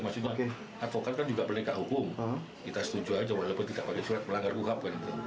advokat kan juga penegak hukum kita setuju aja walaupun tidak pakai surat pelanggar buhab